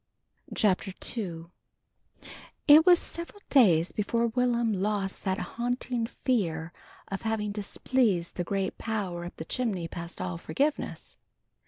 CHAPTER II IT was several days before Will'm lost that haunting fear of having displeased the great power up the chimney past all forgiveness.